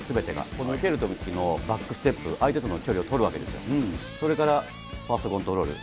この蹴るときのバックステップ、相手との距離を取るわけですよ、それからファーストコントロール。